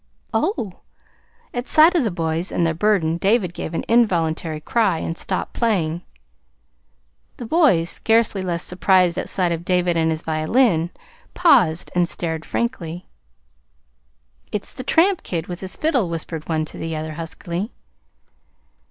"Oh!" At sight of the boys and their burden David gave an involuntary cry, and stopped playing. The boys, scarcely less surprised at sight of David and his violin, paused and stared frankly. "It's the tramp kid with his fiddle," whispered one to the other huskily.